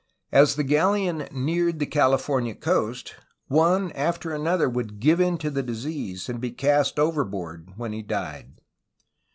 As the galleon neared the California coast one after another would give in to the disease and be cast overboard when he died.